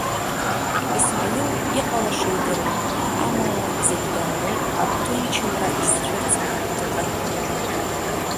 Исмаил иҟалаша идыруан, амала зегь дарароуп агәҭынчымра изцәырҵны дыҟан.